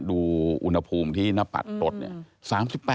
ดูอุณหภูมิที่หน้าปัดรถเนี่ย